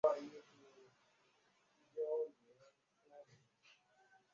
蝴蝶谷道宠物公园就是。